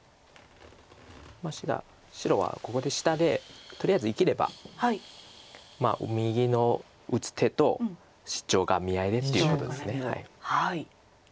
白はここで下でとりあえず生きれば右の打つ手とシチョウが見合いですということです。